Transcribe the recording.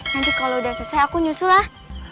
nanti kalau udah selesai aku nyusul lah